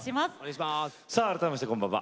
改めまして、こんばんは。